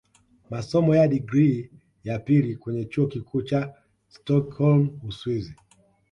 Masomo ya digrii ya pili kwenye Chuo Kikuu cha Stockholm Uswizi